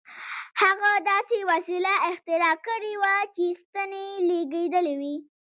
هغه داسې وسیله اختراع کړې وه چې ستنې لېږدولې